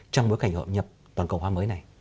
trong bối cảnh hợp nhập toàn cộng hòa mới này